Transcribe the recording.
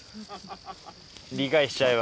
理解しちゃえば。